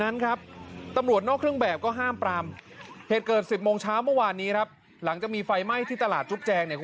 อันตรายเพราะเราต้องเอาชีวิตเราไว้ก่อน